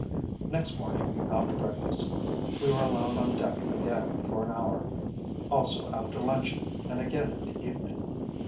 Next morning, after breakfast, we were allowed on deck again for an hour, also after luncheon, and again in the evening.